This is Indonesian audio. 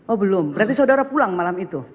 oh belum berarti saudara pulang malam itu